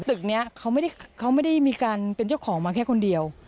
ตึกนี้เขาไม่ได้มีการเป็นเจ้าของมาแค่คนเดียว